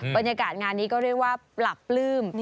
บรรยากาศงานนี้ก็เรียกว่าปรับปลื้ม